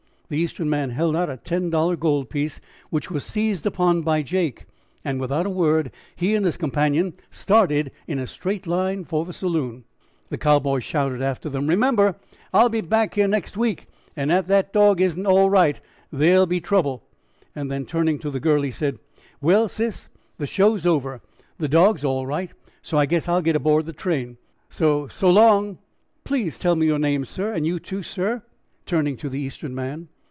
The Eastern man held out a ten dollar gold piece, which was seized upon by Jake, and without a word he and his companion started in a straight line for the saloon. The Cowboy shouted after them: "Remember, I'll be back here next week, and if the dog isn't all right there'll be trouble." Then, turning to the girl, he said: "Well, sis, the show's over; the dog's all right, so I guess I'll get aboard the train. So, so long." "Please tell me your name, sir, and you, too, sir," turning to the Eastern man.